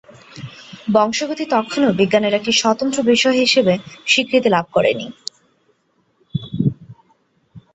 বংশগতি তখনও বিজ্ঞানের একটি সতন্ত্র বিষয় হিসেবে স্বীকৃতি লাভ করে নাই।